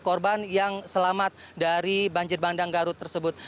korban yang selamat dari banjir bandang garut tersebut